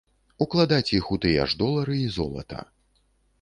Укладаць іх у тыя ж долары і золата.